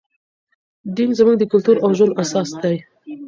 دین زموږ د کلتور او ژوند اساس دی.